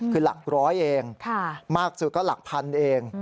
คือหลักร้อยเองมากสุดก็หลักพันเอง